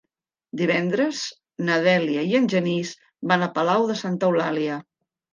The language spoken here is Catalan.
Divendres na Dèlia i en Genís van a Palau de Santa Eulàlia.